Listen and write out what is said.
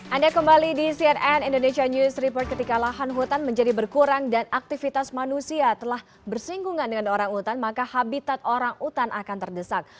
anda kembali di cnn indonesia news report ketika lahan hutan menjadi berkurang dan aktivitas manusia telah bersinggungan dengan orang utan maka habitat orang hutan akan terdesak